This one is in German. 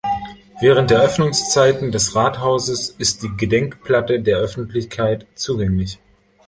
Während der Öffnungszeiten des Rathauses ist die Gedenkplatte der Öffentlichkeit zugänglich.